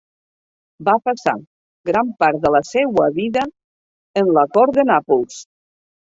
Va passar gran part de la seua vida en la cort de Nàpols.